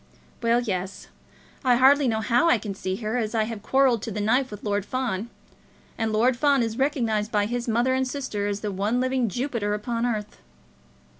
"Well, yes; I hardly know how I can see her, as I have quarrelled to the knife with Lord Fawn; and Lord Fawn is recognised by his mother and sisters as the one living Jupiter upon earth."